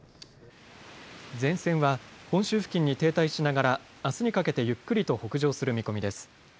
前線は本州付近に停滞しながらあすにかけてゆっくりと北上する見込みです。